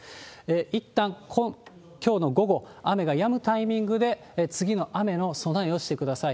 いったんきょうの午後、雨がやむタイミングで、次の雨の備えをしてください。